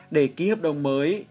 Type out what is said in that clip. để ký hợp đồng mới